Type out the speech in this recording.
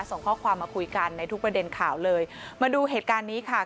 ส่งข้อความมาคุยกันในทุกประเด็นข่าวเลยมาดูเหตุการณ์นี้ค่ะ